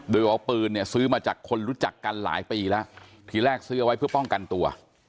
โดยเอาปืนเนี่ยซื้อมาจากคนรู้จักกันหลายปีแล้วทีแรกซื้อเอาไว้เพื่อป้องกันตัว